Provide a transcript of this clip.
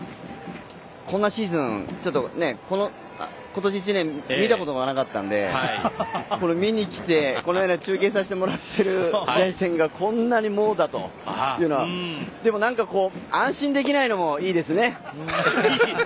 こんなシーズン今年１年見たことがなかったので見に来て、このように中継させてもらっている連戦がこんなに猛打というのはでも安心できないのもいいですね。